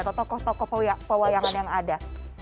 atau tokoh tokoh pewayangan yang ada